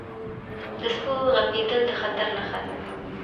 • د سپو غپېدل د خطر نښه وي.